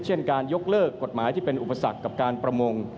เช่นการยกเลิกกฎหมายที่เป็นอุปสรรคกับการประมง